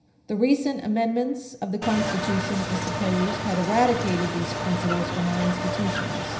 The recent amendments of the Constitution, it was supposed, had eradicated these principles from our institutions.